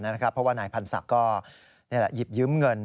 เพราะว่านายพันธศักดิ์ก็หยิบยืมเงิน